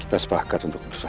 kita sepakat untuk bersahabat